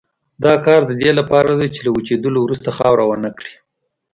دا کار د دې لپاره دی چې له وچېدلو وروسته خاوره ونه کړي.